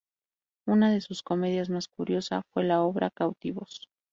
Una de sus comedias más curiosa fue la obra "Cautivos".